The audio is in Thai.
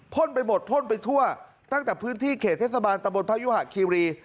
ไปหมดพ่นไปทั่วตั้งแต่พื้นที่เขตเทศบาลตะบนพยุหะคีรี